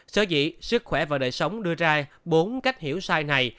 sở dĩ sức khỏe và đời sống đưa ra bốn cách hiểu sai này